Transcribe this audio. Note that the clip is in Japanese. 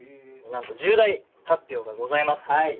なんと重大発表がございます。